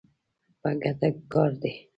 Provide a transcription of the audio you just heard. په ګټه کار دی.